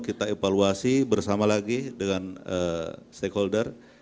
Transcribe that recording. kita evaluasi bersama lagi dengan stakeholder